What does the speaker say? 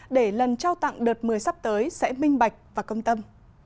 để lần trao tặng đợt một mươi sắp tới sẽ minh bạch và công tâm